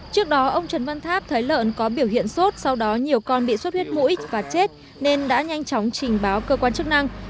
trước đó ông trần văn tháp thấy lợn có biểu hiện sốt sau đó nhiều con bị suất huyết mũi và chết nên đã nhanh chóng trình báo cơ quan chức năng